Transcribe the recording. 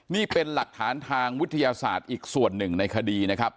นี่เป็นหลักฐานทางวิทยาศาสตร์อีกส่วนหนึ่งในคดีนะครับ